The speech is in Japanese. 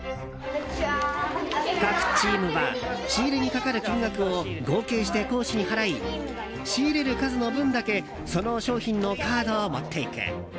各チームは、仕入れにかかる金額を合計して講師に払い仕入れる数の分だけその商品のカードを持っていく。